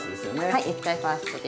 はい「液体ファースト」です。